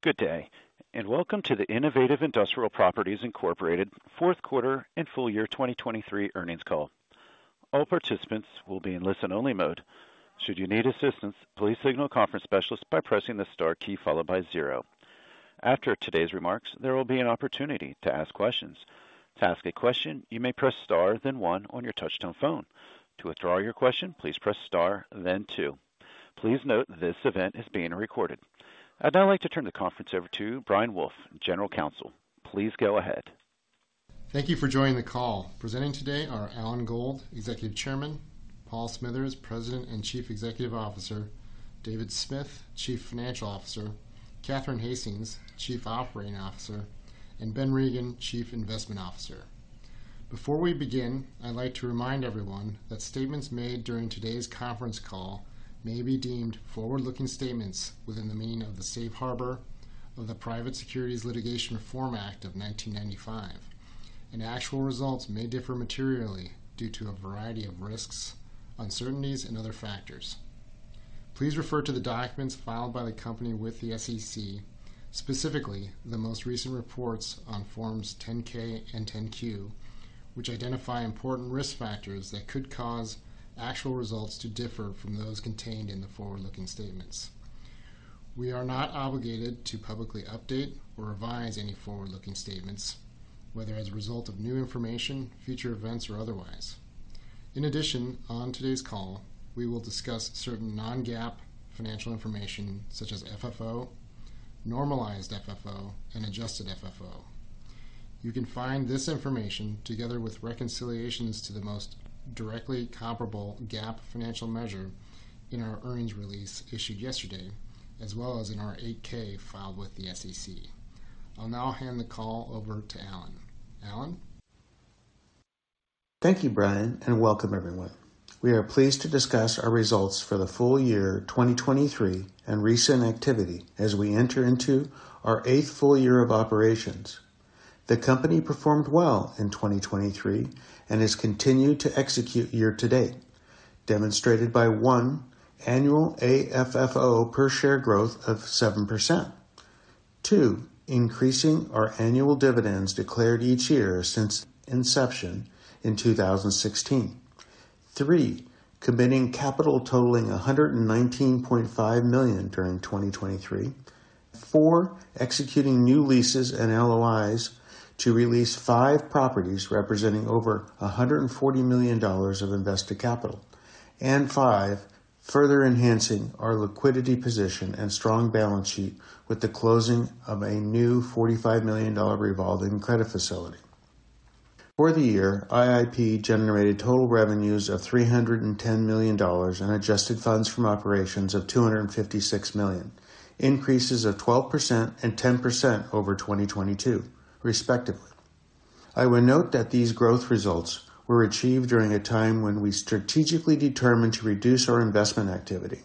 Good day and welcome to the Innovative Industrial Properties Incorporated fourth quarter and full year 2023 earnings call. All participants will be in listen-only mode. Should you need assistance, please signal Conference Specialist by pressing the star key followed by zero. After today's remarks, there will be an opportunity to ask questions. To ask a question, you may press star then one on your touch-tone phone. To withdraw your question, please press star then two. Please note this event is being recorded. I'd now like to turn the conference over to Brian Wolfe, General Counsel. Please go ahead. Thank you for joining the call. Presenting today are Alan Gold, Executive Chairman, Paul Smithers, President and Chief Executive Officer, David Smith, Chief Financial Officer, Catherine Hastings, Chief Operating Officer, and Ben Regin, Chief Investment Officer. Before we begin, I'd like to remind everyone that statements made during today's conference call may be deemed forward-looking statements within the meaning of the Safe Harbor of the Private Securities Litigation Reform Act of 1995, and actual results may differ materially due to a variety of risks, uncertainties, and other factors. Please refer to the documents filed by the company with the SEC, specifically the most recent reports on Forms 10-K and 10-Q, which identify important risk factors that could cause actual results to differ from those contained in the forward-looking statements. We are not obligated to publicly update or revise any forward-looking statements, whether as a result of new information, future events, or otherwise. In addition, on today's call, we will discuss certain non-GAAP financial information such as FFO, normalized FFO, and adjusted FFO. You can find this information together with reconciliations to the most directly comparable GAAP financial measure in our earnings re-lease issued yesterday, as well as in our 8-K filed with the SEC. I'll now hand the call over to Alan. Alan? Thank you, Brian, and welcome, everyone. We are pleased to discuss our results for the full year 2023 and recent activity as we enter into our eighth full year of operations. The company performed well in 2023 and has continued to execute year to date, demonstrated by, one, annual AFFO per share growth of 7%, two, increasing our annual dividends declared each year since inception in 2016, three, committing capital totaling $119.5 million during 2023, four, executing new leases and LOIs to re-lease five properties representing over $140 million of invested capital, and five, further enhancing our liquidity position and strong balance sheet with the closing of a new $45 million revolving credit facility. For the year, IIP generated total revenues of $310 million and adjusted funds from operations of $256 million, increases of 12% and 10% over 2022, respectively. I would note that these growth results were achieved during a time when we strategically determined to reduce our investment activity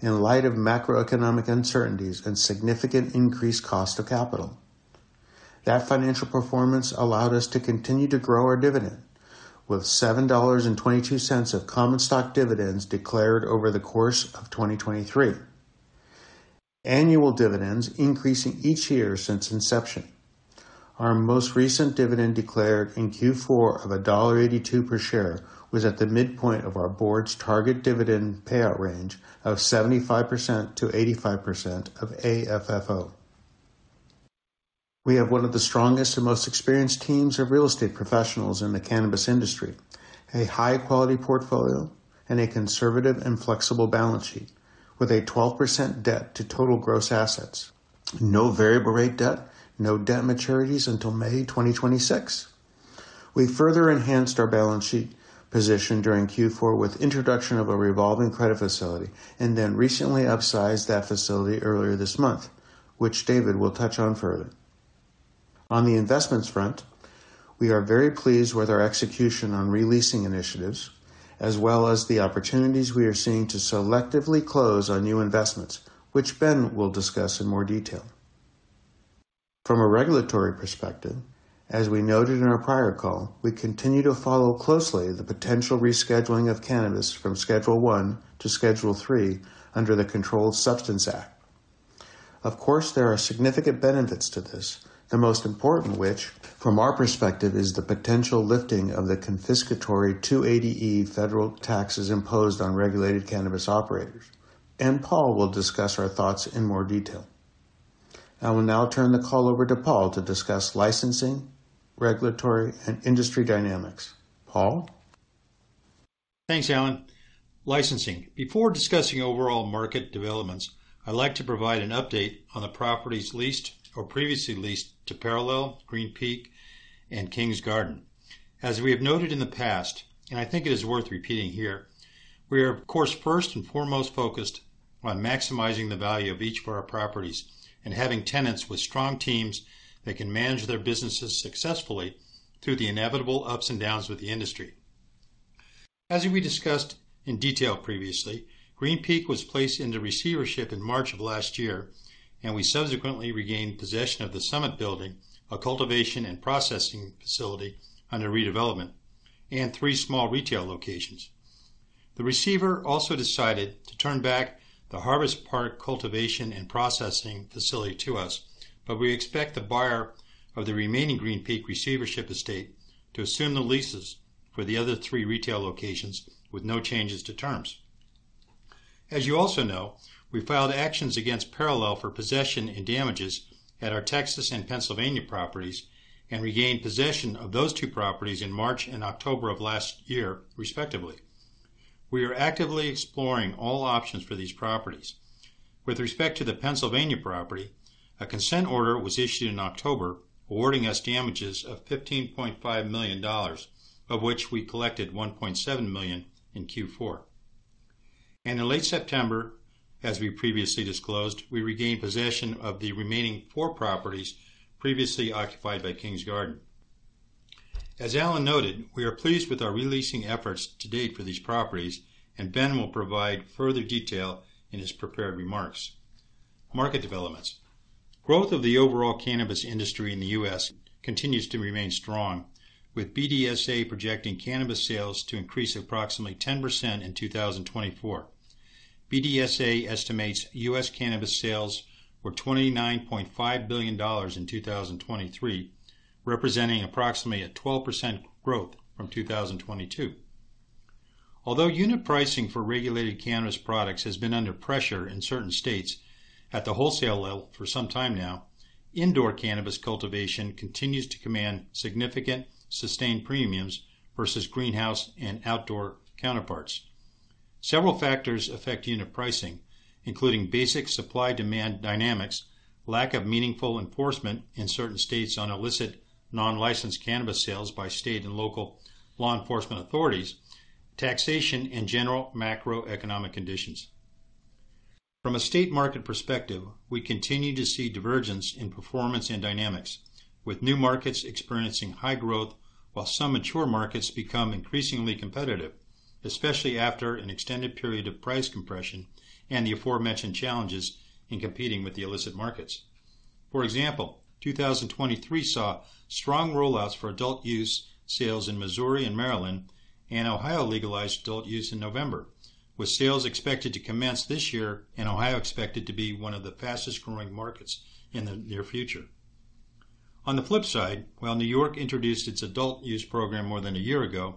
in light of macroeconomic uncertainties and significant increased cost of capital. That financial performance allowed us to continue to grow our dividend with $7.22 of common stock dividends declared over the course of 2023, annual dividends increasing each year since inception. Our most recent dividend declared in Q4 of $1.82 per share was at the midpoint of our board's target dividend payout range of 75%-85% of AFFO. We have one of the strongest and most experienced teams of real estate professionals in the cannabis industry, a high-quality portfolio, and a conservative and flexible balance sheet with a 12% debt to total gross assets, no variable-rate debt, no debt maturities until May 2026. We further enhanced our balance sheet position during Q4 with the introduction of a revolving credit facility and then recently upsized that facility earlier this month, which David will touch on further. On the investments front, we are very pleased with our execution on re-leasing initiatives as well as the opportunities we are seeing to selectively close on new investments, which Ben will discuss in more detail. From a regulatory perspective, as we noted in our prior call, we continue to follow closely the potential rescheduling of cannabis from Schedule I to Schedule III under the Controlled Substances Act. Of course, there are significant benefits to this, the most important of which, from our perspective, is the potential lifting of the confiscatory 280E federal taxes imposed on regulated cannabis operators, and Paul will discuss our thoughts in more detail. I will now turn the call over to Paul to discuss licensing, regulatory, and industry dynamics. Paul? Thanks, Alan. Licensing. Before discussing overall market developments, I'd like to provide an update on the properties leased or previously leased to Parallel, Green Peak, and Kings Garden. As we have noted in the past, and I think it is worth repeating here, we are, of course, first and foremost focused on maximizing the value of each of our properties and having tenants with strong teams that can manage their businesses successfully through the inevitable ups and downs with the industry. As we discussed in detail previously, Green Peak was placed into receivership in March of last year, and we subsequently regained possession of the Summit Building, a cultivation and processing facility under redevelopment, and three small retail locations. The receiver also decided to turn back the Harvest Park cultivation and processing facility to us, but we expect the buyer of the remaining Green Peak receivership estate to assume the leases for the other three retail locations with no changes to terms. As you also know, we filed actions against Parallel for possession and damages at our Texas and Pennsylvania properties and regained possession of those two properties in March and October of last year, respectively. We are actively exploring all options for these properties. With respect to the Pennsylvania property, a consent order was issued in October awarding us damages of $15.5 million, of which we collected $1.7 million in Q4. In late September, as we previously disclosed, we regained possession of the remaining four properties previously occupied by Kings Garden. As Alan noted, we are pleased with our leasing efforts to date for these properties, and Ben will provide further detail in his prepared remarks. Market developments. Growth of the overall cannabis industry in the U.S. continues to remain strong, with BDSA projecting cannabis sales to increase approximately 10% in 2024. BDSA estimates U.S. cannabis sales were $29.5 billion in 2023, representing approximately a 12% growth from 2022. Although unit pricing for regulated cannabis products has been under pressure in certain states at the wholesale level for some time now, indoor cannabis cultivation continues to command significant sustained premiums versus greenhouse and outdoor counterparts. Several factors affect unit pricing, including basic supply-demand dynamics, lack of meaningful enforcement in certain states on illicit non-licensed cannabis sales by state and local law enforcement authorities, taxation, and general macroeconomic conditions. From a state market perspective, we continue to see divergence in performance and dynamics, with new markets experiencing high growth while some mature markets become increasingly competitive, especially after an extended period of price compression and the aforementioned challenges in competing with the illicit markets. For example, 2023 saw strong rollouts for adult use sales in Missouri and Maryland, and Ohio legalized adult use in November, with sales expected to commence this year and Ohio expected to be one of the fastest-growing markets in the near future. On the flip side, while New York introduced its adult use program more than a year ago,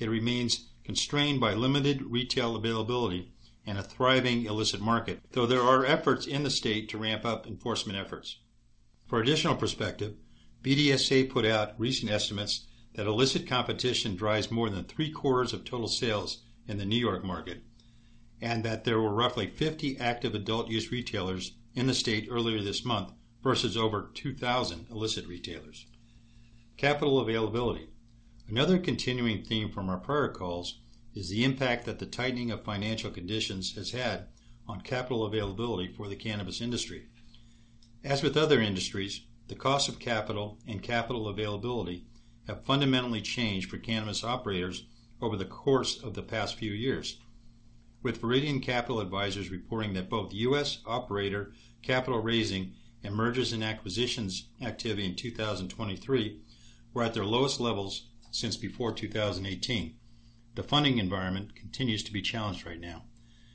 it remains constrained by limited retail availability and a thriving illicit market, though there are efforts in the state to ramp up enforcement efforts. For additional perspective, BDSA put out recent estimates that illicit competition drives more than three-quarters of total sales in the New York market and that there were roughly 50 active adult-use retailers in the state earlier this month versus over 2,000 illicit retailers. Capital availability. Another continuing theme from our prior calls is the impact that the tightening of financial conditions has had on capital availability for the cannabis industry. As with other industries, the cost of capital and capital availability have fundamentally changed for cannabis operators over the course of the past few years, with Viridian Capital Advisors reporting that both U.S. operator capital raising and mergers and acquisitions activity in 2023 were at their lowest levels since before 2018. The funding environment continues to be challenged right now.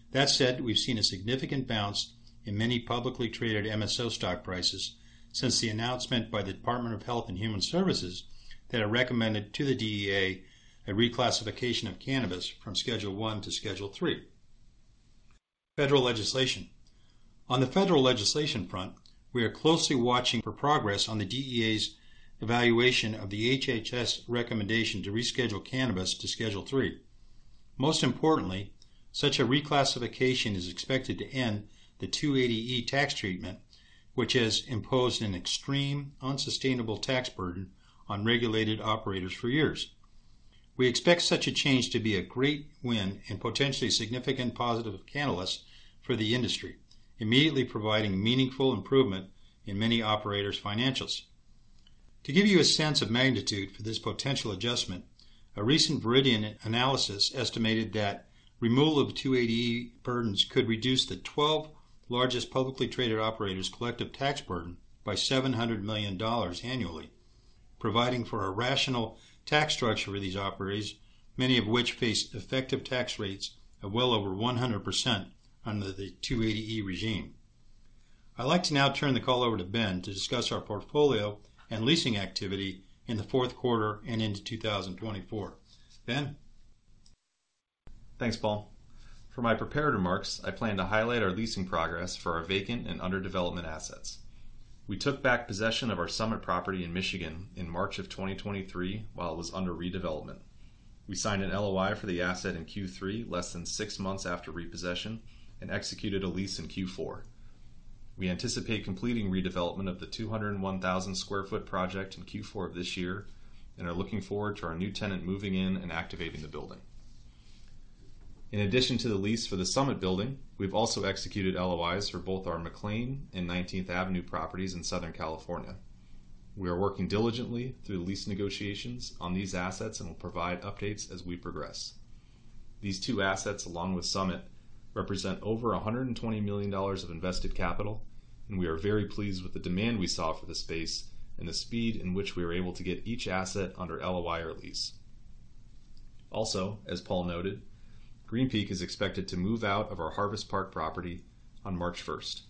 That said, we've seen a significant bounce in many publicly traded MSO stock prices since the announcement by the Department of Health and Human Services that recommended to the DEA a reclassification of cannabis from Schedule I to Schedule III. Federal legislation. On the federal legislation front, we are closely watching for progress on the DEA's evaluation of the HHS recommendation to reschedule cannabis to Schedule III. Most importantly, such a reclassification is expected to end the 280E tax treatment, which has imposed an extreme, unsustainable tax burden on regulated operators for years. We expect such a change to be a great win and potentially significant positive catalyst for the industry, immediately providing meaningful improvement in many operators' financials. To give you a sense of magnitude for this potential adjustment, a recent Viridian analysis estimated that removal of 280E burdens could reduce the 12 largest publicly traded operators' collective tax burden by $700 million annually, providing for a rational tax structure for these operators, many of which face effective tax rates of well over 100% under the 280E regime. I'd like to now turn the call over to Ben to discuss our portfolio and leasing activity in the fourth quarter and into 2024. Ben? Thanks, Paul. For my prepared remarks, I plan to highlight our leasing progress for our vacant and underdevelopment assets. We took back possession of our Summit property in Michigan in March of 2023 while it was under redevelopment. We signed an LOI for the asset in Q3 less than six months after repossession and executed a lease in Q4. We anticipate completing redevelopment of the 201,000 sq ft project in Q4 of this year and are looking forward to our new tenant moving in and activating the building. In addition to the lease for the Summit building, we've also executed LOIs for both our McLane and 19th Avenue properties in Southern California. We are working diligently through lease negotiations on these assets and will provide updates as we progress. These two assets, along with Summit, represent over $120 million of invested capital, and we are very pleased with the demand we saw for the space and the speed in which we were able to get each asset under LOI or lease. Also, as Paul noted, Green Peak is expected to move out of our Harvest Park property on March 1st.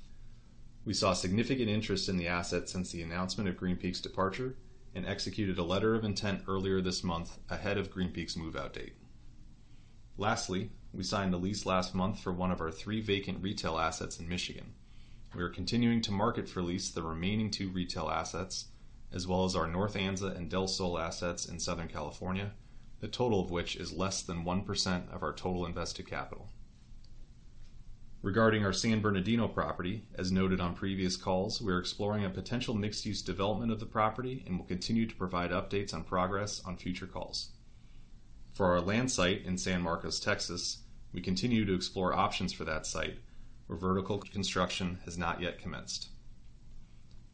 We saw significant interest in the asset since the announcement of Green Peak's departure and executed a letter of intent earlier this month ahead of Green Peak's move-out date. Lastly, we signed a lease last month for one of our three vacant retail assets in Michigan. We are continuing to market for lease the remaining two retail assets as well as our North Anza and Del Sol assets in Southern California, the total of which is less than 1% of our total invested capital. Regarding our San Bernardino property, as noted on previous calls, we are exploring a potential mixed-use development of the property and will continue to provide updates on progress on future calls. For our land site in San Marcos, Texas, we continue to explore options for that site, where vertical construction has not yet commenced.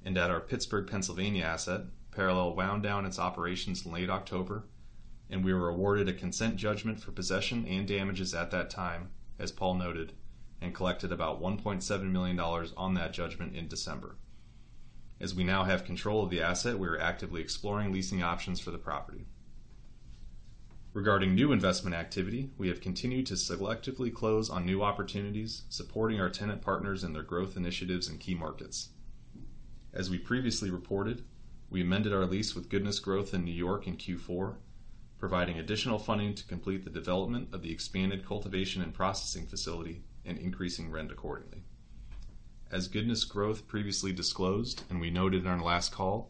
At our Pittsburgh, Pennsylvania asset, Parallel wound down its operations in late October, and we were awarded a consent judgment for possession and damages at that time, as Paul noted, and collected about $1.7 million on that judgment in December. As we now have control of the asset, we are actively exploring leasing options for the property. Regarding new investment activity, we have continued to selectively close on new opportunities supporting our tenant partners in their growth initiatives in key markets. As we previously reported, we amended our lease with Goodness Growth in New York in Q4, providing additional funding to complete the development of the expanded cultivation and processing facility and increasing rent accordingly. As Goodness Growth previously disclosed and we noted in our last call,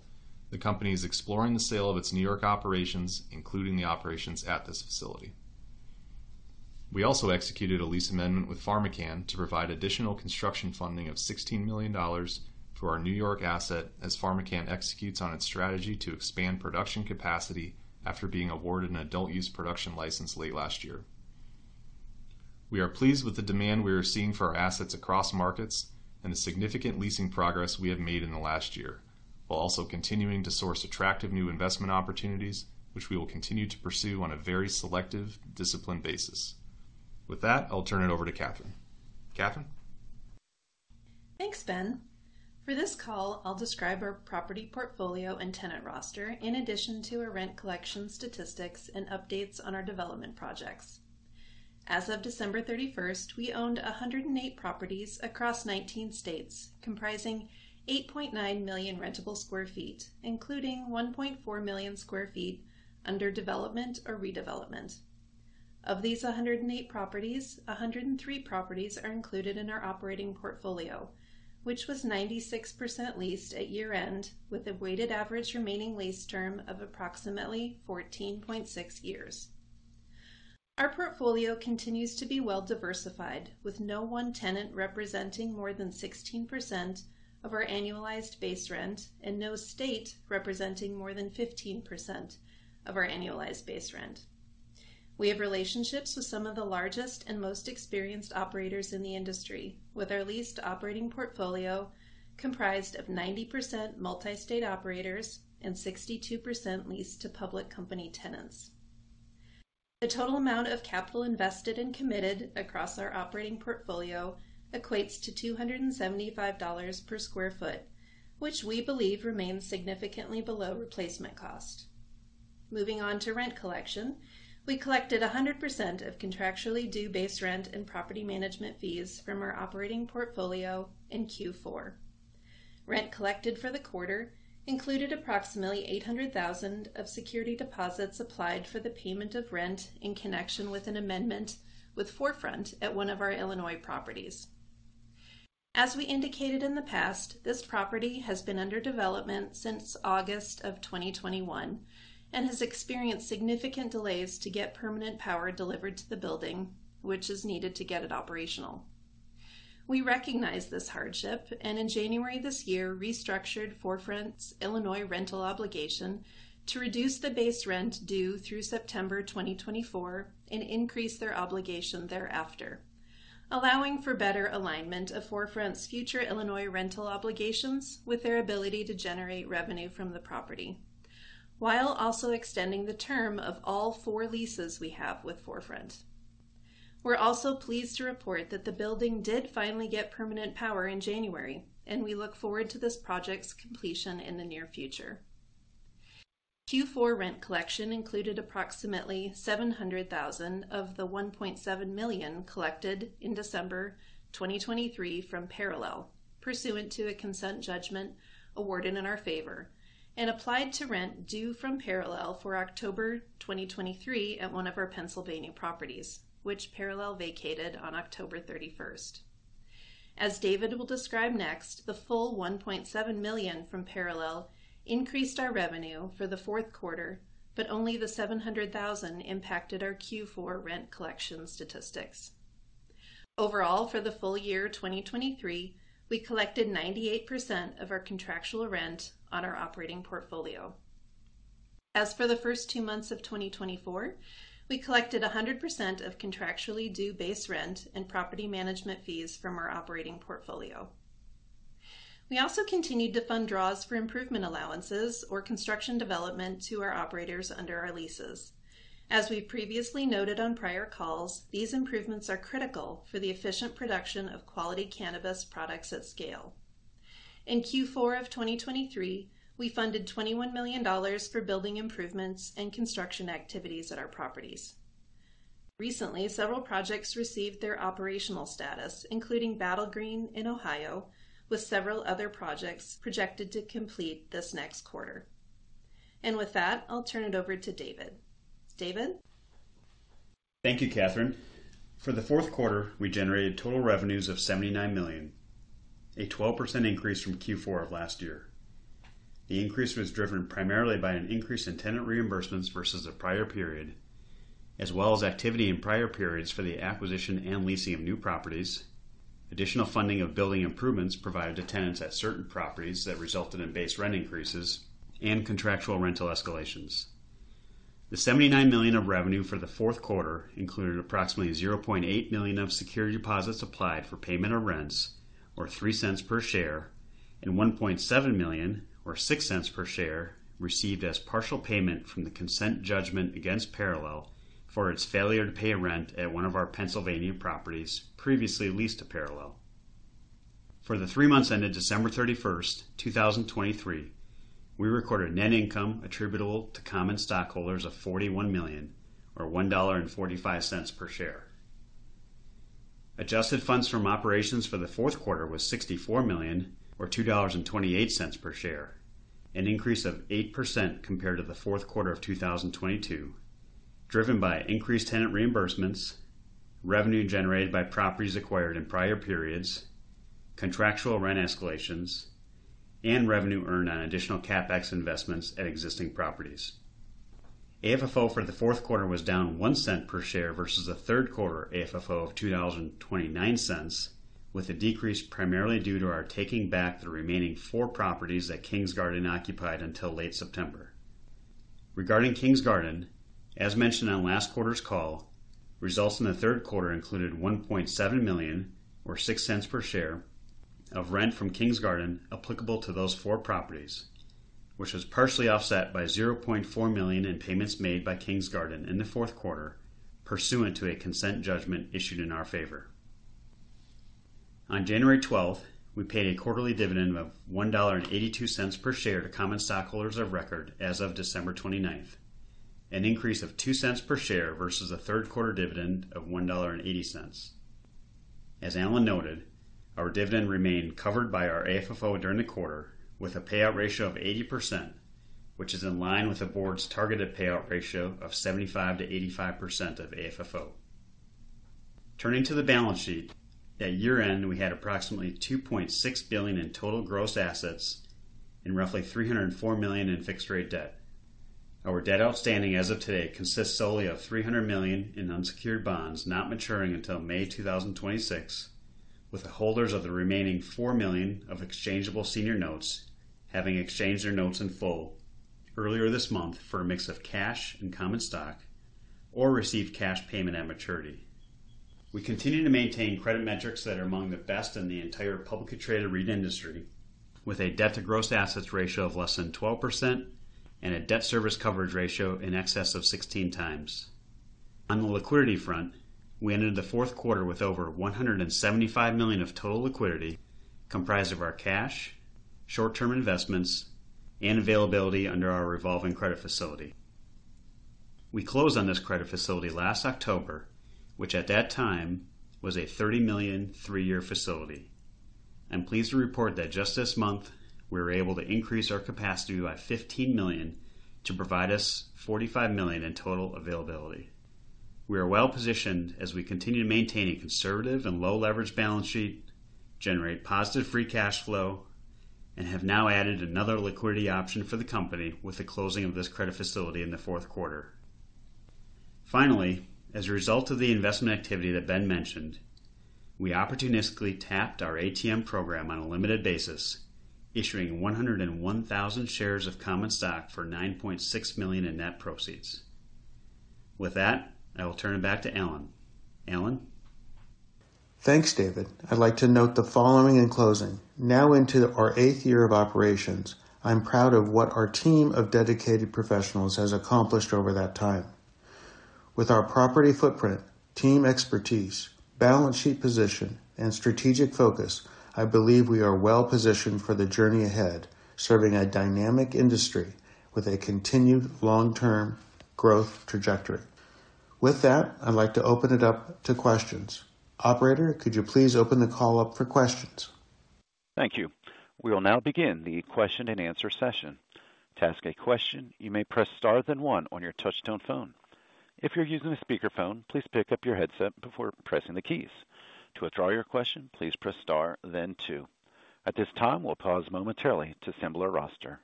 the company is exploring the sale of its New York operations, including the operations at this facility. We also executed a lease amendment with PharmaCann to provide additional construction funding of $16 million for our New York asset as PharmaCann executes on its strategy to expand production capacity after being awarded an adult-use production license late last year. We are pleased with the demand we are seeing for our assets across markets and the significant leasing progress we have made in the last year, while also continuing to source attractive new investment opportunities, which we will continue to pursue on a very selective, disciplined basis. With that, I'll turn it over to Catherine. Catherine? Thanks, Ben. For this call, I'll describe our property portfolio and tenant roster in addition to our rent collection statistics and updates on our development projects. As of December 31st, we owned 108 properties across 19 states comprising 8.9 million rentable sq ft, including 1.4 million sq ft under development or redevelopment. Of these 108 properties, 103 properties are included in our operating portfolio, which was 96% leased at year-end with a weighted average remaining lease term of approximately 14.6 years. Our portfolio continues to be well-diversified, with no one tenant representing more than 16% of our annualized base rent and no state representing more than 15% of our annualized base rent. We have relationships with some of the largest and most experienced operators in the industry, with our leased operating portfolio comprised of 90% multi-state operators and 62% leased to public company tenants. The total amount of capital invested and committed across our operating portfolio equates to $275 per sq ft, which we believe remains significantly below replacement cost. Moving on to rent collection, we collected 100% of contractually due base rent and property management fees from our operating portfolio in Q4. Rent collected for the quarter included approximately $800,000 of security deposits applied for the payment of rent in connection with an amendment with 4Front at one of our Illinois properties. As we indicated in the past, this property has been under development since August of 2021 and has experienced significant delays to get permanent power delivered to the building, which is needed to get it operational. We recognize this hardship and, in January this year, restructured 4Front's Illinois rental obligation to reduce the base rent due through September 2024 and increase their obligation thereafter, allowing for better alignment of 4Front's future Illinois rental obligations with their ability to generate revenue from the property, while also extending the term of all four leases we have with 4Front. We're also pleased to report that the building did finally get permanent power in January, and we look forward to this project's completion in the near future. Q4 rent collection included approximately $700,000 of the $1.7 million collected in December 2023 from Parallel, pursuant to a consent judgment awarded in our favor, and applied to rent due from Parallel for October 2023 at one of our Pennsylvania properties, which Parallel vacated on October 31st. As David will describe next, the full $1.7 million from Parallel increased our revenue for the fourth quarter, but only the $700,000 impacted our Q4 rent collection statistics. Overall, for the full year 2023, we collected 98% of our contractual rent on our operating portfolio. As for the first two months of 2024, we collected 100% of contractually due base rent and property management fees from our operating portfolio. We also continued to fund draws for improvement allowances or construction development to our operators under our leases. As we've previously noted on prior calls, these improvements are critical for the efficient production of quality cannabis products at scale. In Q4 of 2023, we funded $21 million for building improvements and construction activities at our properties. Recently, several projects received their operational status, including Battle Green in Ohio, with several other projects projected to complete this next quarter. With that, I'll turn it over to David. David? Thank you, Catherine. For the fourth quarter, we generated total revenues of $79 million, a 12% increase from Q4 of last year. The increase was driven primarily by an increase in tenant reimbursements versus the prior period, as well as activity in prior periods for the acquisition and leasing of new properties, additional funding of building improvements provided to tenants at certain properties that resulted in base rent increases, and contractual rental escalations. The $79 million of revenue for the fourth quarter included approximately $0.8 million of security deposits applied for payment of rents, or $0.03 per share, and $1.7 million, or $0.06 per share, received as partial payment from the consent judgment against Parallel for its failure to pay rent at one of our Pennsylvania properties previously leased to Parallel. For the three months ended December 31st, 2023, we recorded net income attributable to common stockholders of $41 million, or $1.45 per share. Adjusted funds from operations for the fourth quarter was $64 million, or $2.28 per share, an increase of 8% compared to the fourth quarter of 2022, driven by increased tenant reimbursements, revenue generated by properties acquired in prior periods, contractual rent escalations, and revenue earned on additional CapEx investments at existing properties. AFFO for the fourth quarter was down $0.01 per share versus the third quarter AFFO of $0.29, with a decrease primarily due to our taking back the remaining four properties that Kings Garden occupied until late September. Regarding Kings Garden, as mentioned on last quarter's call, results in the third quarter included $1.7 million, or $0.06 per share, of rent from Kings Garden applicable to those four properties, which was partially offset by $0.4 million in payments made by Kings Garden in the fourth quarter pursuant to a consent judgment issued in our favor. On January 12th, we paid a quarterly dividend of $1.82 per share to common stockholders of record as of December 29th, an increase of $0.02 per share versus the third quarter dividend of $1.80. As Alan noted, our dividend remained covered by our AFFO during the quarter, with a payout ratio of 80%, which is in line with the board's targeted payout ratio of 75%-85% of AFFO. Turning to the balance sheet, at year-end, we had approximately $2.6 billion in total gross assets and roughly $304 million in fixed-rate debt. Our debt outstanding as of today consists solely of $300 million in unsecured bonds not maturing until May 2026, with holders of the remaining $4 million of exchangeable senior notes having exchanged their notes in full earlier this month for a mix of cash and common stock, or received cash payment at maturity. We continue to maintain credit metrics that are among the best in the entire publicly traded REIT industry, with a debt-to-gross-assets ratio of less than 12% and a debt service coverage ratio in excess of 16 times. On the liquidity front, we ended the fourth quarter with over $175 million of total liquidity comprised of our cash, short-term investments, and availability under our revolving credit facility. We closed on this credit facility last October, which at that time was a $30 million three-year facility. I'm pleased to report that just this month, we were able to increase our capacity by $15 million to provide us $45 million in total availability. We are well-positioned as we continue to maintain a conservative and low-leverage balance sheet, generate positive free cash flow, and have now added another liquidity option for the company with the closing of this credit facility in the fourth quarter. Finally, as a result of the investment activity that Ben mentioned, we opportunistically tapped our ATM program on a limited basis, issuing 101,000 shares of common stock for $9.6 million in net proceeds. With that, I will turn it back to Alan. Alan? Thanks, David. I'd like to note the following in closing: now into our eighth year of operations, I'm proud of what our team of dedicated professionals has accomplished over that time. With our property footprint, team expertise, balance sheet position, and strategic focus, I believe we are well-positioned for the journey ahead, serving a dynamic industry with a continued long-term growth trajectory. With that, I'd like to open it up to questions. Operator, could you please open the call up for questions? Thank you. We will now begin the question-and-answer session. To ask a question, you may press star, then one on your touch-tone phone. If you're using a speakerphone, please pick up your headset before pressing the keys. To withdraw your question, please press star, then two. At this time, we'll pause momentarily to assemble our roster.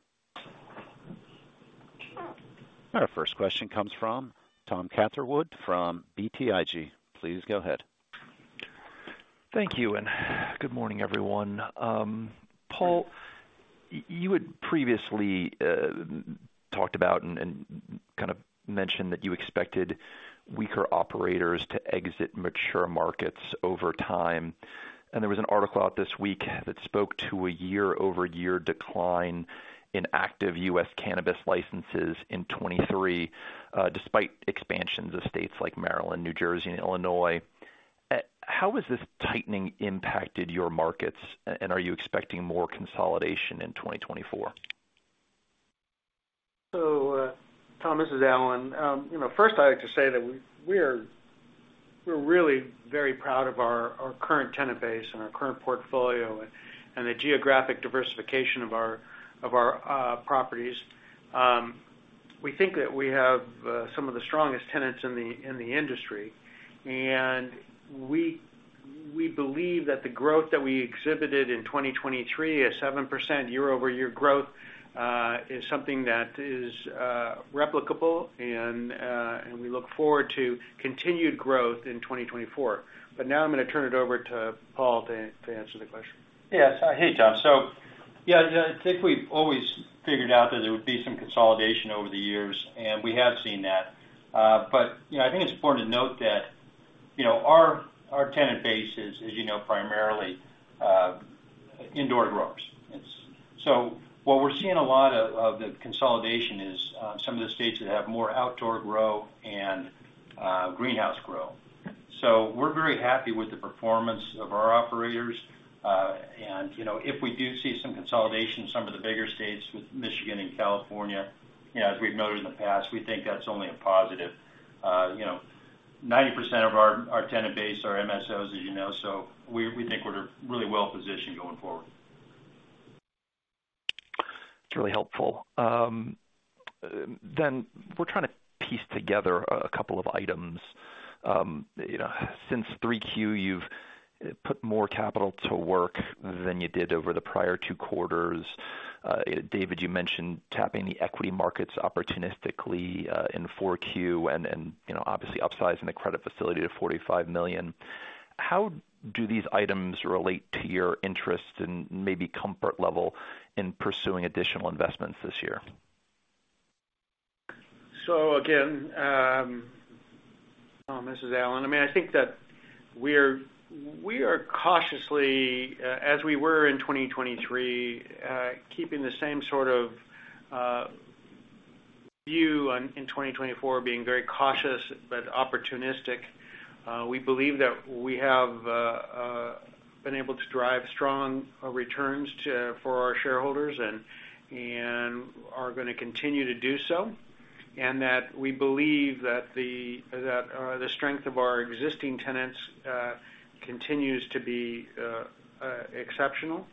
Our first question comes from Tom Catherwood from BTIG. Please go ahead. Thank you, and good morning, everyone. Paul, you had previously talked about and kind of mentioned that you expected weaker operators to exit mature markets over time. There was an article out this week that spoke to a year-over-year decline in active U.S. cannabis licenses in 2023, despite expansions of states like Maryland, New Jersey, and Illinois. How has this tightening impacted your markets, and are you expecting more consolidation in 2024? So, Tom, this is Alan. First, I'd like to say that we're really very proud of our current tenant base and our current portfolio and the geographic diversification of our properties. We think that we have some of the strongest tenants in the industry, and we believe that the growth that we exhibited in 2023, a 7% year-over-year growth, is something that is replicable, and we look forward to continued growth in 2024. But now I'm going to turn it over to Paul to answer the question. Yes. Hey, Tom. So yeah, I think we've always figured out that there would be some consolidation over the years, and we have seen that. But I think it's important to note that our tenant base is, as you know, primarily indoor growers. So what we're seeing a lot of the consolidation is some of the states that have more outdoor grow and greenhouse grow. So we're very happy with the performance of our operators. And if we do see some consolidation in some of the bigger states, with Michigan and California, as we've noted in the past, we think that's only a positive. 90% of our tenant base are MSOs, as you know, so we think we're really well-positioned going forward. That's really helpful. We're trying to piece together a couple of items. Since 3Q, you've put more capital to work than you did over the prior two quarters. David, you mentioned tapping the equity markets opportunistically in 4Q and obviously upsizing the credit facility to $45 million. How do these items relate to your interest and maybe comfort level in pursuing additional investments this year? So again, Tom, this is Alan. I mean, I think that we are cautiously, as we were in 2023, keeping the same sort of view in 2024, being very cautious but opportunistic. We believe that we have been able to drive strong returns for our shareholders and are going to continue to do so, and that we believe that the strength of our existing tenants continues to be exceptional.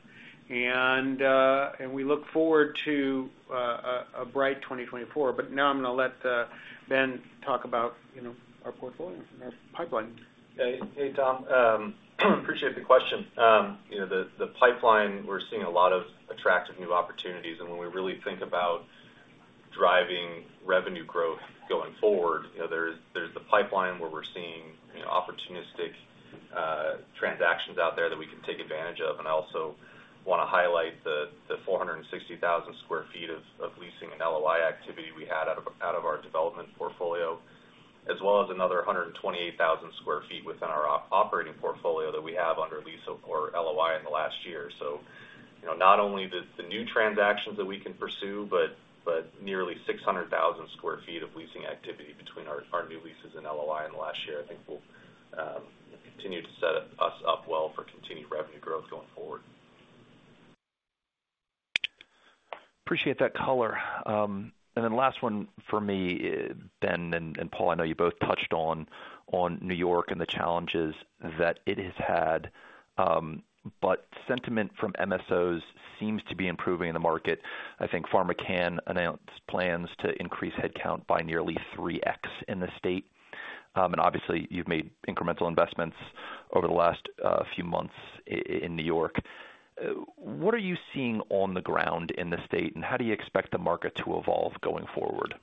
And we look forward to a bright 2024. But now I'm going to let Ben talk about our portfolio and our pipeline. Hey, Tom. Appreciate the question. The pipeline, we're seeing a lot of attractive new opportunities. When we really think about driving revenue growth going forward, there's the pipeline where we're seeing opportunistic transactions out there that we can take advantage of. I also want to highlight the 460,000 sq ft of leasing and LOI activity we had out of our development portfolio, as well as another 128,000 sq ft within our operating portfolio that we have under lease or LOI in the last year. Not only the new transactions that we can pursue, but nearly 600,000 sq ft of leasing activity between our new leases and LOI in the last year, I think will continue to set us up well for continued revenue growth going forward. Appreciate that color. Then last one for me, Ben and Paul, I know you both touched on New York and the challenges that it has had, but sentiment from MSOs seems to be improving in the market. I think PharmaCann announced plans to increase headcount by nearly 3X in the state. Obviously, you've made incremental investments over the last few months in New York. What are you seeing on the ground in the state, and how do you expect the market to evolve going forward?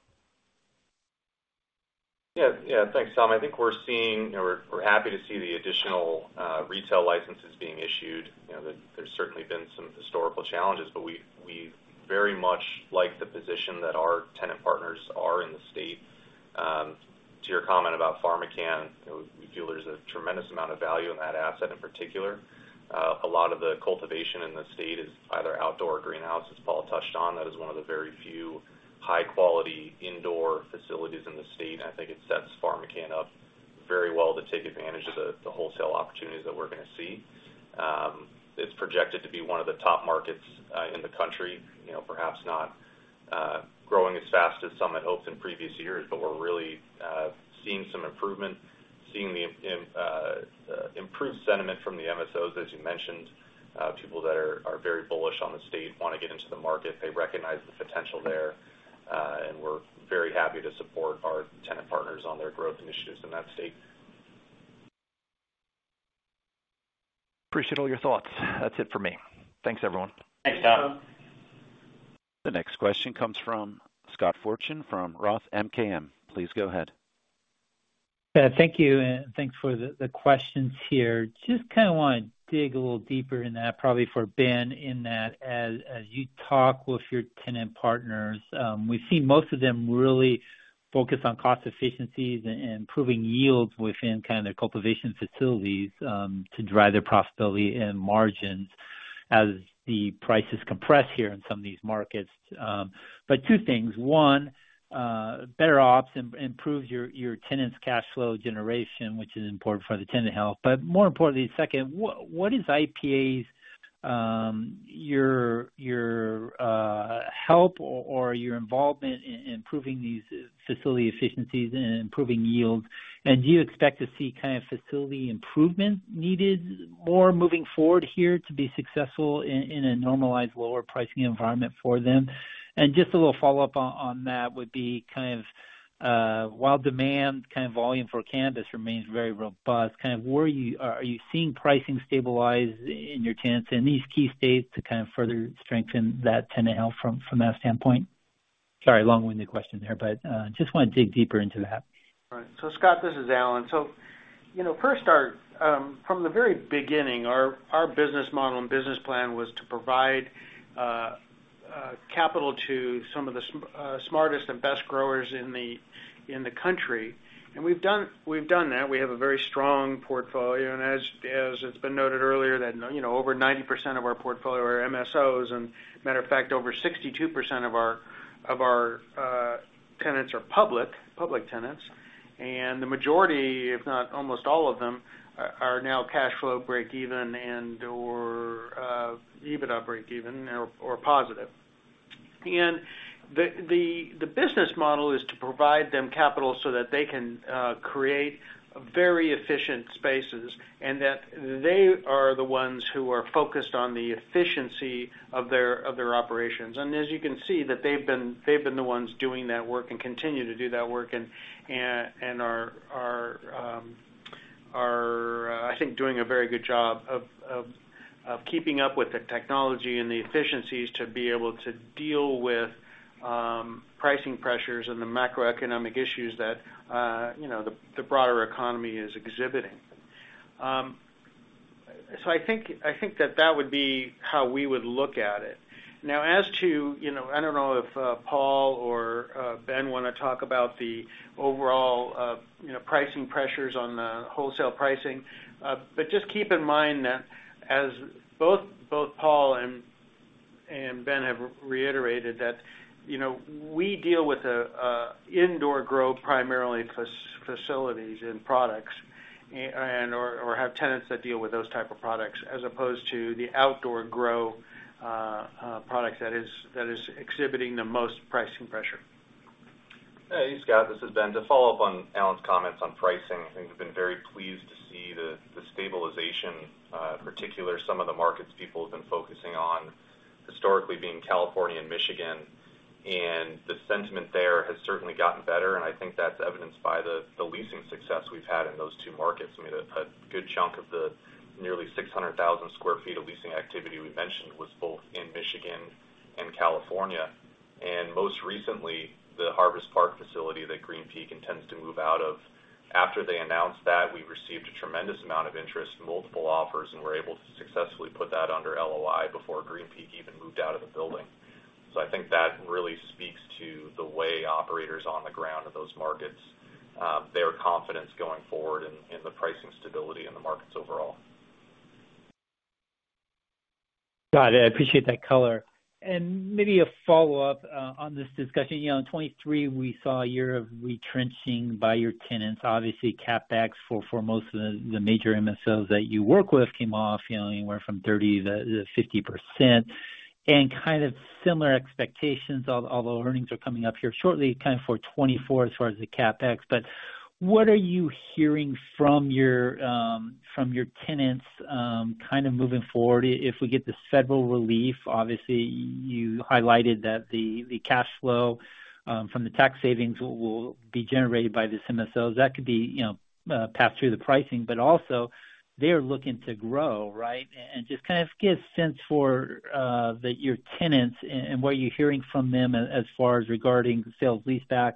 Yeah. Yeah. Thanks, Tom. I think we're seeing, we're happy to see the additional retail licenses being issued. There's certainly been some historical challenges, but we very much like the position that our tenant partners are in the state. To your comment about PharmaCann, we feel there's a tremendous amount of value in that asset in particular. A lot of the cultivation in the state is either outdoor or greenhouse. As Paul touched on, that is one of the very few high-quality indoor facilities in the state, and I think it sets PharmaCann up very well to take advantage of the wholesale opportunities that we're going to see. It's projected to be one of the top markets in the country, perhaps not growing as fast as some had hoped in previous years, but we're really seeing some improvement, seeing the improved sentiment from the MSOs, as you mentioned. People that are very bullish on the state want to get into the market. They recognize the potential there, and we're very happy to support our tenant partners on their growth initiatives in that state. Appreciate all your thoughts. That's it for me. Thanks, everyone. Thanks, Tom. The next question comes from Scott Fortune from Roth MKM. Please go ahead. Yeah. Thank you. And thanks for the questions here. Just kind of want to dig a little deeper in that, probably for Ben in that, as you talk with your tenant partners, we've seen most of them really focus on cost efficiencies and improving yields within kind of their cultivation facilities to drive their profitability and margins as the prices compress here in some of these markets. But two things. One, better ops improves your tenants' cash flow generation, which is important for the tenant health. But more importantly, second, what is IIP's help or your involvement in improving these facility efficiencies and improving yields? And do you expect to see kind of facility improvement needed more moving forward here to be successful in a normalized, lower pricing environment for them? Just a little follow-up on that would be kind of while demand kind of volume for cannabis remains very robust, kind of are you seeing pricing stabilize in your tenants in these key states to kind of further strengthen that tenant health from that standpoint? Sorry, long-winded question there, but just want to dig deeper into that. Right. So Scott, this is Alan. So first, from the very beginning, our business model and business plan was to provide capital to some of the smartest and best growers in the country. And we've done that. We have a very strong portfolio. And as it's been noted earlier, that over 90% of our portfolio are MSOs. And as a matter of fact, over 62% of our tenants are public tenants, and the majority, if not almost all of them, are now cash flow break-even and/or EBITDA break-even or positive. And the business model is to provide them capital so that they can create very efficient spaces and that they are the ones who are focused on the efficiency of their operations. As you can see, that they've been the ones doing that work and continue to do that work and are, I think, doing a very good job of keeping up with the technology and the efficiencies to be able to deal with pricing pressures and the macroeconomic issues that the broader economy is exhibiting. So I think that that would be how we would look at it. Now, as to I don't know if Paul or Ben want to talk about the overall pricing pressures on the wholesale pricing, but just keep in mind that, as both Paul and Ben have reiterated, that we deal with indoor grow primarily facilities and products or have tenants that deal with those type of products as opposed to the outdoor grow products that is exhibiting the most pricing pressure. Hey, Scott. This is Ben. To follow up on Alan's comments on pricing, I think we've been very pleased to see the stabilization, in particular, some of the markets people have been focusing on historically being California and Michigan. And the sentiment there has certainly gotten better, and I think that's evidenced by the leasing success we've had in those two markets. I mean, a good chunk of the nearly 600,000 sq ft of leasing activity we mentioned was both in Michigan and California. And most recently, the Harvest Park facility that Green Peak intends to move out of, after they announced that, we received a tremendous amount of interest, multiple offers, and were able to successfully put that under LOI before Green Peak even moved out of the building. I think that really speaks to the way operators on the ground of those markets, their confidence going forward in the pricing stability in the markets overall. Got it. I appreciate that color. And maybe a follow-up on this discussion. In 2023, we saw a year of retrenching by your tenants. Obviously, CapEx for most of the major MSOs that you work with came off anywhere from 30%-50% and kind of similar expectations, although earnings are coming up here shortly, kind of for 2024 as far as the CapEx. But what are you hearing from your tenants kind of moving forward? If we get this federal relief, obviously, you highlighted that the cash flow from the tax savings will be generated by these MSOs. That could be passed through the pricing, but also, they are looking to grow, right? Just kind of give a sense that your tenants and what you're hearing from them as far as regarding sale-leaseback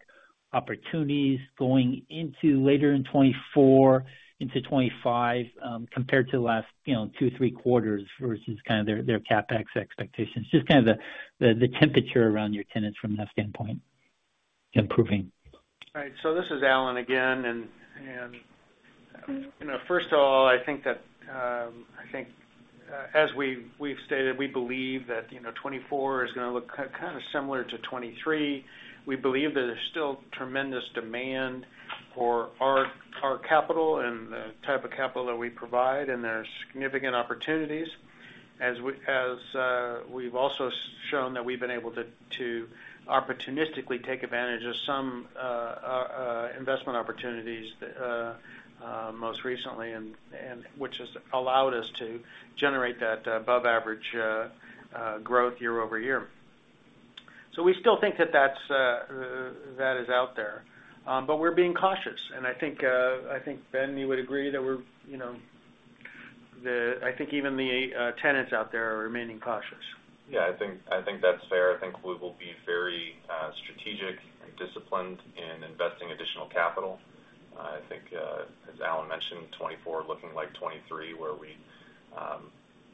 opportunities going later in 2024 into 2025 compared to the last two, three quarters versus kind of their CapEx expectations. Just kind of the temperature around your tenants from that standpoint improving. Right. So this is Alan again. And first of all, I think, as we've stated, we believe that 2024 is going to look kind of similar to 2023. We believe that there's still tremendous demand for our capital and the type of capital that we provide, and there's significant opportunities. As we've also shown that we've been able to opportunistically take advantage of some investment opportunities most recently, which has allowed us to generate that above-average growth year-over-year. So we still think that that is out there, but we're being cautious. And I think, Ben, you would agree that we're, I think, even the tenants out there are remaining cautious. Yeah. I think that's fair. I think we will be very strategic and disciplined in investing additional capital. I think, as Alan mentioned, 2024 looking like 2023 where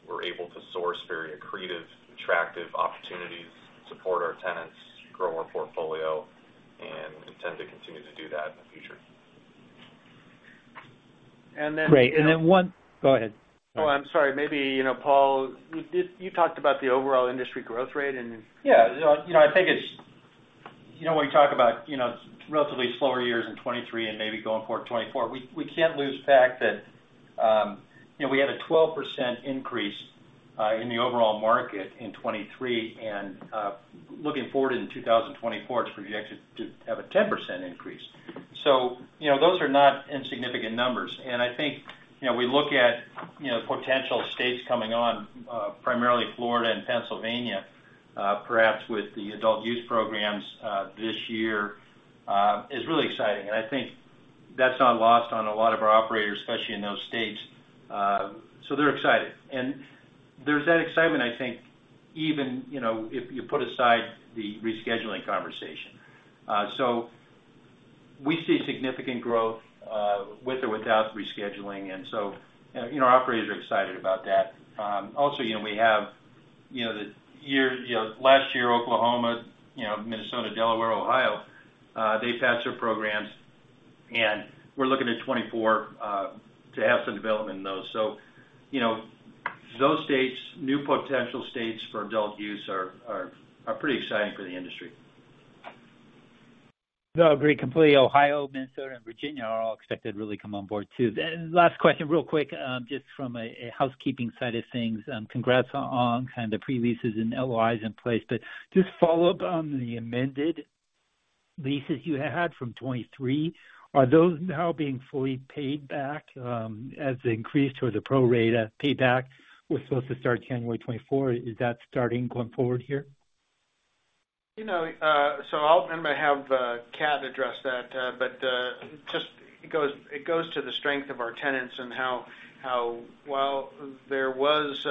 we're able to source very accretive, attractive opportunities, support our tenants, grow our portfolio, and intend to continue to do that in the future. Great. And then one go ahead. Oh, I'm sorry. Maybe, Paul, you talked about the overall industry growth rate, and. Yeah. I think it's when you talk about relatively slower years in 2023 and maybe going forward 2024, we can't lose sight of the fact that we had a 12% increase in the overall market in 2023, and looking forward in 2024, it's projected to have a 10% increase. So those are not insignificant numbers. And I think we look at potential states coming on, primarily Florida and Pennsylvania, perhaps with the adult-use programs this year, is really exciting. And I think that's not lost on a lot of our operators, especially in those states. So they're excited. And there's that excitement, I think, even if you put aside the rescheduling conversation. So we see significant growth with or without rescheduling, and so our operators are excited about that. Also, in the last year, Oklahoma, Minnesota, Delaware, Ohio, they passed their programs, and we're looking at 2024 to have some development in those. So those states, new potential states for adult use, are pretty exciting for the industry. No, agree completely. Ohio, Minnesota, and Virginia are all expected to really come on board too. Last question, real quick, just from a housekeeping side of things. Congrats on kind of the pre-leases and LOIs in place, but just follow up on the amended leases you had from 2023. Are those now being fully paid back as the increase toward the pro rata of payback was supposed to start January 2024? Is that starting going forward here? So I'll have Cat address that, but it just goes to the strength of our tenants and how, while there was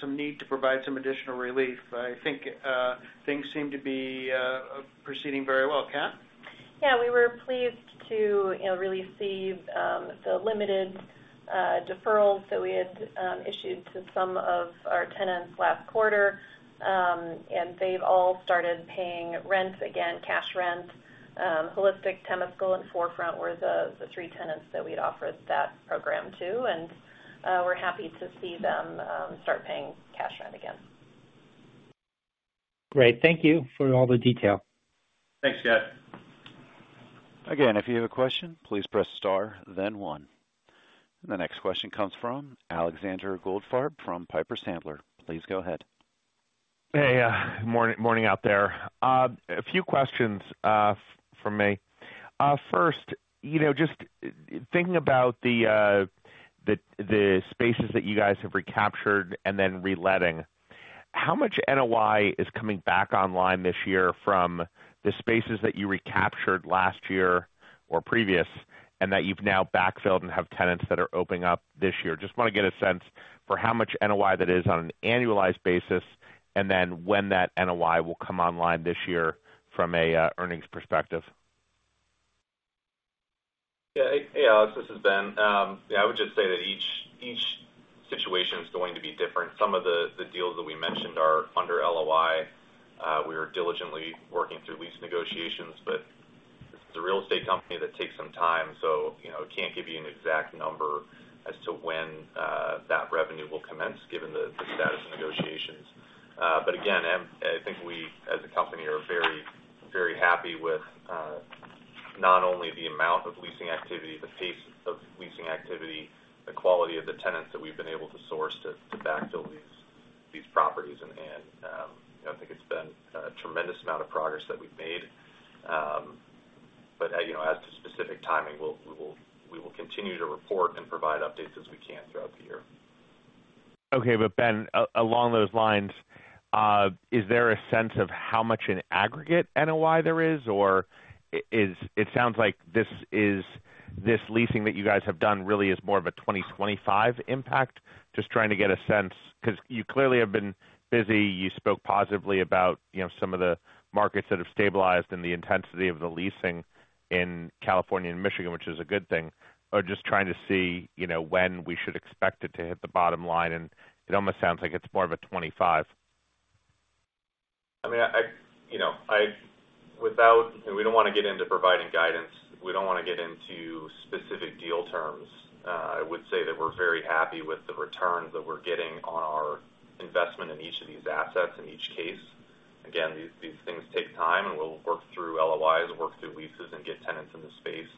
some need to provide some additional relief, I think things seem to be proceeding very well. Cat? Yeah. We were pleased to really see the limited deferrals that we had issued to some of our tenants last quarter, and they've all started paying rent again, cash rent. Holistic, Temescal, and 4Front were the three tenants that we'd offered that program to, and we're happy to see them start paying cash rent again. Great. Thank you for all the detail. Thanks, Scott. Again, if you have a question, please press star, then one. The next question comes from Alexander Goldfarb from Piper Sandler. Please go ahead. Hey. Morning out there. A few questions from me. First, just thinking about the spaces that you guys have recaptured and then reletting, how much NOI is coming back online this year from the spaces that you recaptured last year or previous and that you've now backfilled and have tenants that are opening up this year? Just want to get a sense for how much NOI that is on an annualized basis and then when that NOI will come online this year from an earnings perspective. Yeah. This is Ben. Yeah. I would just say that each situation is going to be different. Some of the deals that we mentioned are under LOI. We are diligently working through lease negotiations, but this is a real estate company that takes some time, so I can't give you an exact number as to when that revenue will commence given the status of negotiations. But again, I think we, as a company, are very, very happy with not only the amount of leasing activity, the pace of leasing activity, the quality of the tenants that we've been able to source to backfill these properties. And I think it's been a tremendous amount of progress that we've made. But as to specific timing, we will continue to report and provide updates as we can throughout the year. Okay. But Ben, along those lines, is there a sense of how much an aggregate NOI there is? Or it sounds like this leasing that you guys have done really is more of a 2025 impact, just trying to get a sense because you clearly have been busy. You spoke positively about some of the markets that have stabilized and the intensity of the leasing in California and Michigan, which is a good thing, or just trying to see when we should expect it to hit the bottom line. And it almost sounds like it's more of a 2025. I mean, we don't want to get into providing guidance. We don't want to get into specific deal terms. I would say that we're very happy with the returns that we're getting on our investment in each of these assets in each case. Again, these things take time, and we'll work through LOIs, work through leases, and get tenants in the space,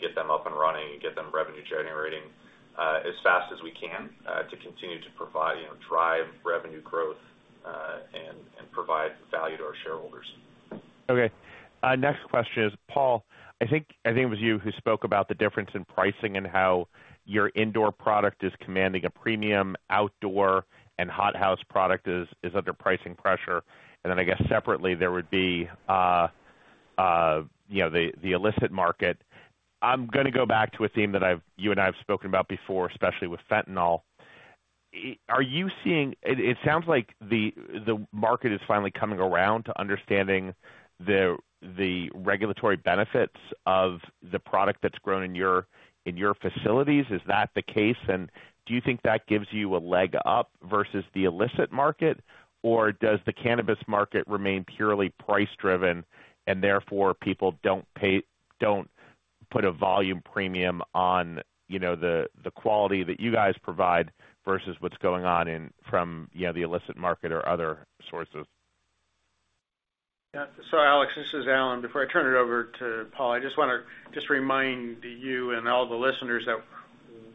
get them up and running, and get them revenue generating as fast as we can to continue to drive revenue growth and provide value to our shareholders. Okay. Next question is Paul. I think it was you who spoke about the difference in pricing and how your indoor product is commanding a premium. Outdoor and hothouse product is under pricing pressure. And then I guess separately, there would be the illicit market. I'm going to go back to a theme that you and I have spoken about before, especially with fentanyl. Are you seeing? It sounds like the market is finally coming around to understanding the regulatory benefits of the product that's grown in your facilities. Is that the case? And do you think that gives you a leg up versus the illicit market? Or does the cannabis market remain purely price-driven and therefore people don't put a volume premium on the quality that you guys provide versus what's going on from the illicit market or other sources? Yeah. Sorry, Alex. This is Alan. Before I turn it over to Paul, I just want to just remind you and all the listeners that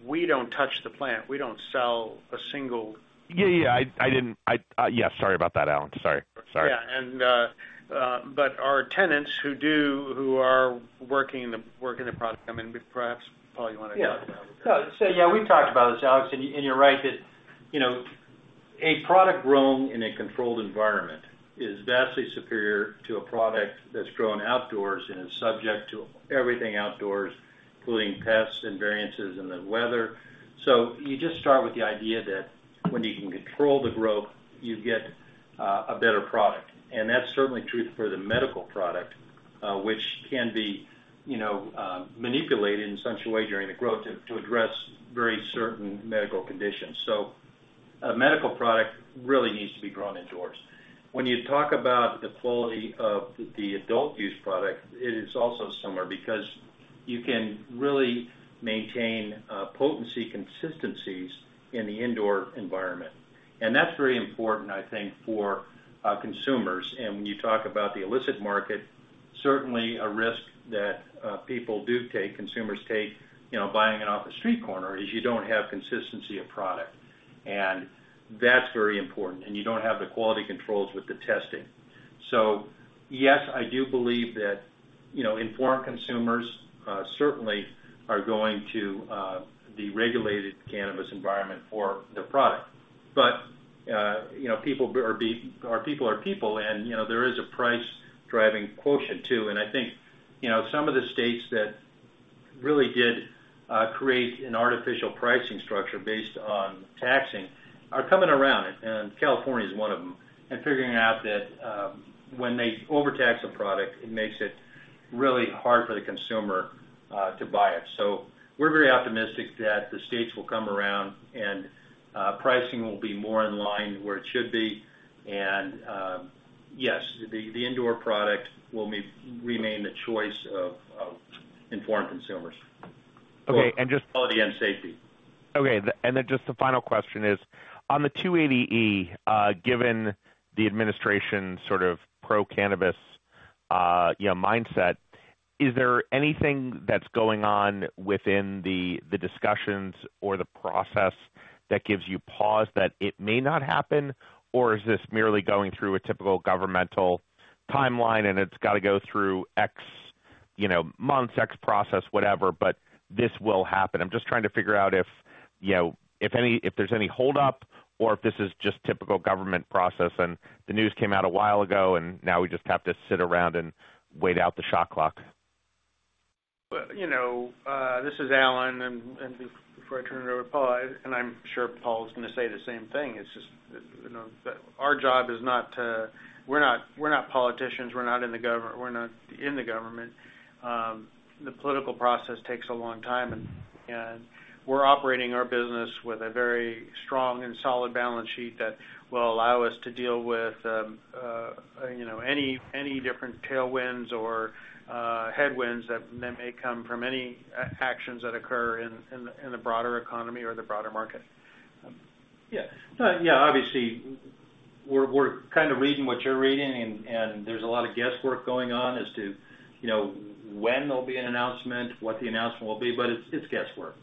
we don't touch the plant. We don't sell a single. Yeah. Yeah. I didn't yes. Sorry about that, Alan. Sorry. Sorry. Yeah. But our tenants who are working the product, I mean, perhaps, Paul, you want to talk about. Yeah. So yeah, we've talked about this, Alex, and you're right that a product grown in a controlled environment is vastly superior to a product that's grown outdoors and is subject to everything outdoors, including pests and variances in the weather. So you just start with the idea that when you can control the growth, you get a better product. And that's certainly true for the medical product, which can be manipulated in such a way during the growth to address very certain medical conditions. So a medical product really needs to be grown indoors. When you talk about the quality of the adult use product, it is also similar because you can really maintain potency consistencies in the indoor environment. And that's very important, I think, for consumers. And when you talk about the illicit market, certainly a risk that people do take, consumers take, buying it off the street corner is you don't have consistency of product. And that's very important, and you don't have the quality controls with the testing. So yes, I do believe that informed consumers certainly are going to the regulated cannabis environment for their product. But people are people are people, and there is a price-driving quotient too. And I think some of the states that really did create an artificial pricing structure based on taxing are coming around it, and California is one of them, and figuring out that when they overtax a product, it makes it really hard for the consumer to buy it. So we're very optimistic that the states will come around, and pricing will be more in line where it should be. Yes, the indoor product will remain the choice of informed consumers. Okay. And just. Quality and safety. Okay. Then just the final question is, on the 280E, given the administration's sort of pro-cannabis mindset, is there anything that's going on within the discussions or the process that gives you pause that it may not happen? Or is this merely going through a typical governmental timeline, and it's got to go through X months, X process, whatever, but this will happen? I'm just trying to figure out if there's any holdup or if this is just typical government process, and the news came out a while ago, and now we just have to sit around and wait out the shot clock. Well, this is Alan. And before I turn it over to Paul, and I'm sure Paul is going to say the same thing, it's just that our job is not to, we're not politicians. We're not in the government. The political process takes a long time, and we're operating our business with a very strong and solid balance sheet that will allow us to deal with any different tailwinds or headwinds that may come from any actions that occur in the broader economy or the broader market. Yeah. So yeah, obviously, we're kind of reading what you're reading, and there's a lot of guesswork going on as to when there'll be an announcement, what the announcement will be, but it's guesswork.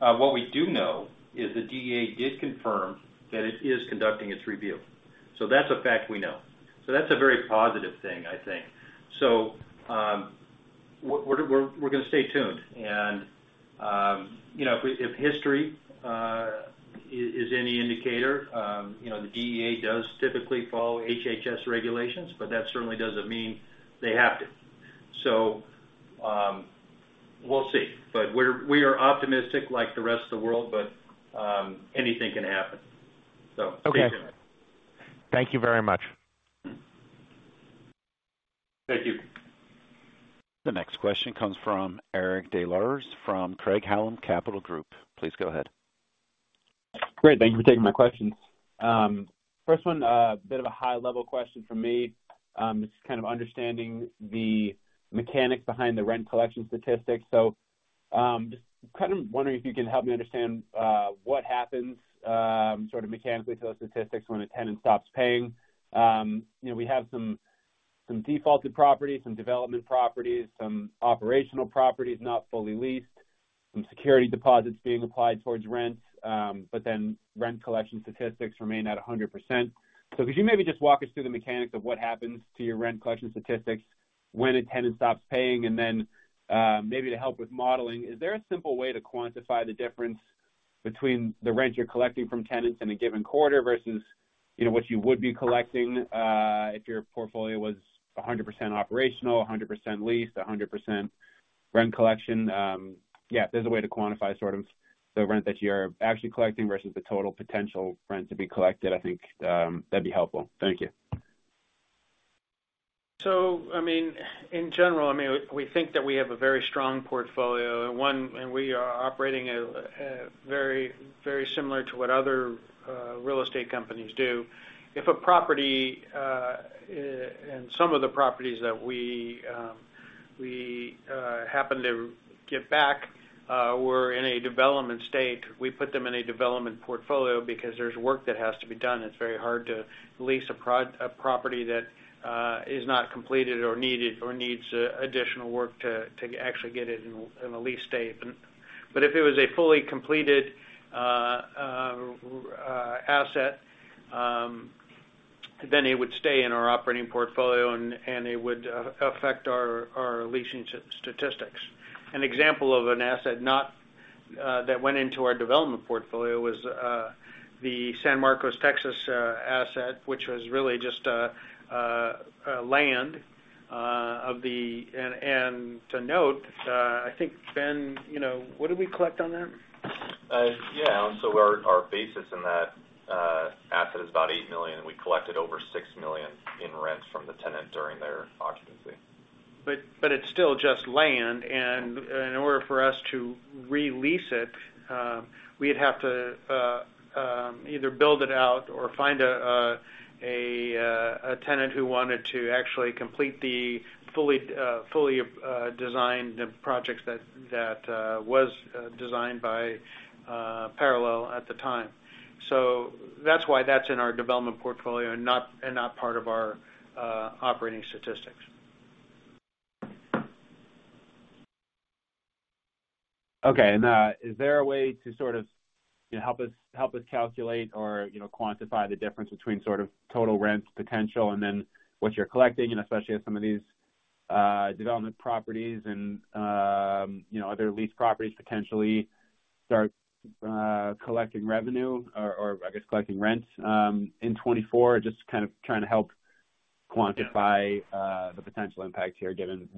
What we do know is the DEA did confirm that it is conducting its review. That's a fact we know. That's a very positive thing, I think. So we're going to stay tuned. And if history is any indicator, the DEA does typically follow HHS regulations, but that certainly doesn't mean they have to. We'll see. But we are optimistic like the rest of the world, but anything can happen. Stay tuned. Okay. Thank you very much. Thank you. The next question comes from Eric Des Lauriers from Craig-Hallum Capital Group. Please go ahead. Great. Thank you for taking my questions. First one, a bit of a high-level question from me. This is kind of understanding the mechanics behind the rent collection statistics. So just kind of wondering if you can help me understand what happens sort of mechanically to those statistics when a tenant stops paying. We have some defaulted properties, some development properties, some operational properties not fully leased, some security deposits being applied towards rent, but then rent collection statistics remain at 100%. So could you maybe just walk us through the mechanics of what happens to your rent collection statistics when a tenant stops paying? And then maybe to help with modeling, is there a simple way to quantify the difference between the rent you're collecting from tenants in a given quarter versus what you would be collecting if your portfolio was 100% operational, 100% leased, 100% rent collection? Yeah, if there's a way to quantify sort of the rent that you are actually collecting versus the total potential rent to be collected, I think that'd be helpful. Thank you. So, I mean, in general, I mean, we think that we have a very strong portfolio, and we are operating very, very similar to what other real estate companies do. If a property and some of the properties that we happen to get back were in a development state, we put them in a development portfolio because there's work that has to be done. It's very hard to lease a property that is not completed or needs additional work to actually get it in a leased state. But if it was a fully completed asset, then it would stay in our operating portfolio, and it would affect our leasing statistics. An example of an asset that went into our development portfolio was the San Marcos, Texas, asset, which was really just land of the and to note, I think, Ben, what did we collect on that? Yeah. So our basis in that asset is about $8 million, and we collected over $6 million in rent from the tenant during their occupancy. It's still just land. In order for us to re-lease it, we'd have to either build it out or find a tenant who wanted to actually complete the fully designed projects that was designed by Parallel at the time. That's why that's in our development portfolio and not part of our operating statistics. Okay. Is there a way to sort of help us calculate or quantify the difference between sort of total rent potential and then what you're collecting, and especially as some of these development properties and other leased properties potentially start collecting revenue or, I guess, collecting rent in 2024, just kind of trying to help quantify the potential impact here given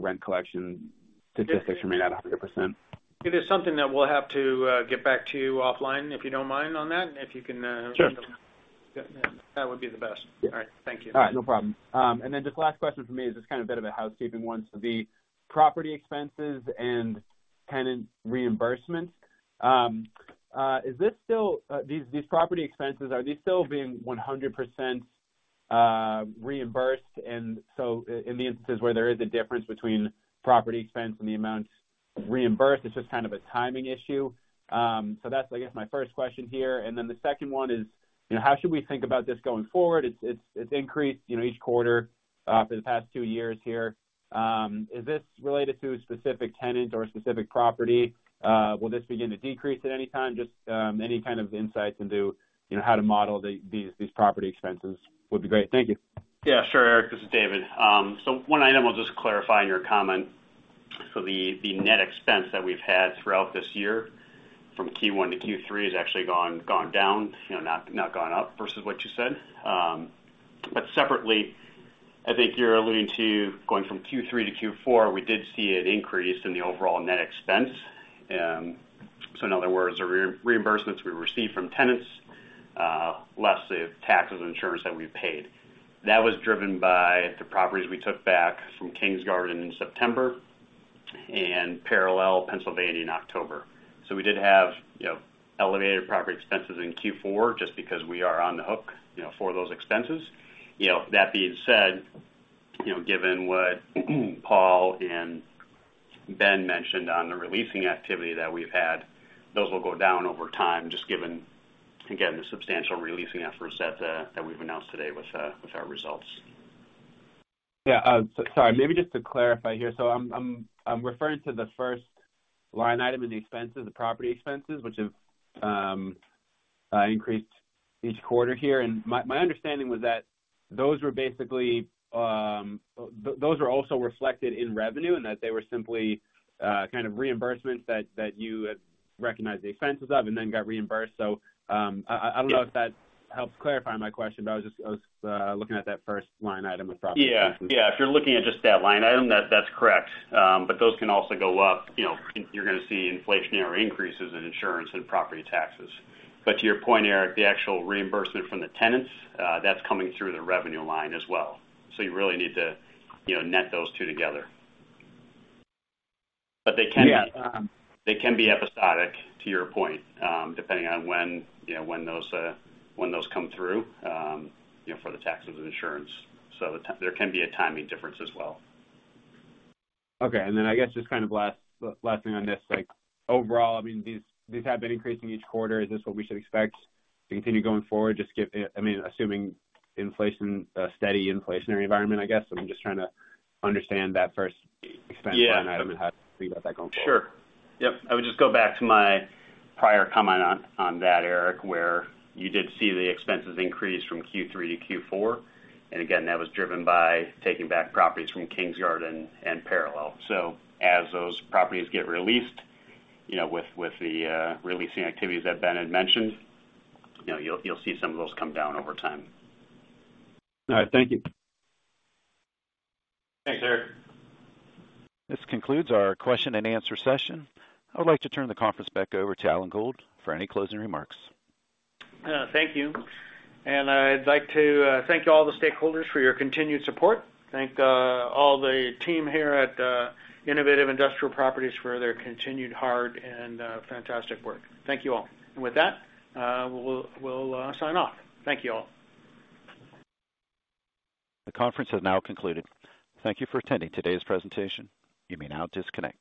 rent collection statistics remain at 100%? It is something that we'll have to get back to you offline if you don't mind on that. If you can. Sure. That would be the best. All right. Thank you. All right. No problem. Then just last question for me is just kind of a bit of a housekeeping one. So the property expenses and tenant reimbursements, is this still these property expenses, are these still being 100% reimbursed? And so in the instances where there is a difference between property expense and the amount reimbursed, it's just kind of a timing issue. So that's, I guess, my first question here. And then the second one is, how should we think about this going forward? It's increased each quarter for the past two years here. Is this related to a specific tenant or a specific property? Will this begin to decrease at any time? Just any kind of insights into how to model these property expenses would be great. Thank you. Yeah. Sure, Eric. This is David. So one item I'll just clarify in your comment. So the net expense that we've had throughout this year from Q1 to Q3 has actually gone down, not gone up versus what you said. But separately, I think you're alluding to going from Q3 to Q4, we did see an increase in the overall net expense. So in other words, the reimbursements we received from tenants, less the taxes and insurance that we've paid. That was driven by the properties we took back from Kings Garden in September and Parallel, Pennsylvania, in October. So we did have elevated property expenses in Q4 just because we are on the hook for those expenses. That being said, given what Paul and Ben mentioned on the re-leasing activity that we've had, those will go down over time just given, again, the substantial re-leasing efforts that we've announced today with our results. Yeah. Sorry. Maybe just to clarify here. So I'm referring to the first line item in the expenses, the property expenses, which have increased each quarter here. And my understanding was that those were basically those were also reflected in revenue and that they were simply kind of reimbursements that you recognized the expenses of and then got reimbursed. So I don't know if that helps clarify my question, but I was looking at that first line item with property expenses. Yeah. Yeah. If you're looking at just that line item, that's correct. But those can also go up. You're going to see inflationary increases in insurance and property taxes. But to your point, Eric, the actual reimbursement from the tenants, that's coming through the revenue line as well. So you really need to net those two together. But they can be episodic, to your point, depending on when those come through for the taxes and insurance. So there can be a timing difference as well. Okay. And then I guess just kind of last thing on this. Overall, I mean, these have been increasing each quarter. Is this what we should expect to continue going forward? I mean, assuming steady inflationary environment, I guess. So I'm just trying to understand that first expense line item and how to think about that going forward. Sure. Yep. I would just go back to my prior comment on that, Eric, where you did see the expenses increase from Q3 to Q4. And again, that was driven by taking back properties from Kings Garden and Parallel. So as those properties get re-leased with the re-leasing activities that Ben had mentioned, you'll see some of those come down over time. All right. Thank you. Thanks, Eric. This concludes our question-and-answer session. I would like to turn the conference back over to Alan Gold for any closing remarks. Thank you. I'd like to thank all the stakeholders for your continued support. Thank all the team here at Innovative Industrial Properties for their continued hard and fantastic work. Thank you all. With that, we'll sign off. Thank you all. The conference has now concluded. Thank you for attending today's presentation. You may now disconnect.